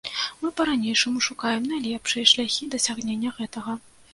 Мы па-ранейшаму шукаем найлепшыя шляхі дасягнення гэтага.